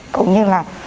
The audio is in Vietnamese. cũng như là